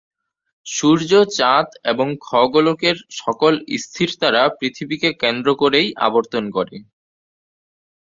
সূর্য, চাঁদ এবং খ-গোলকের সকল স্থির তারা পৃথিবীকে কেন্দ্র করেই আবর্তন করে।